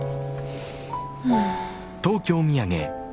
うん。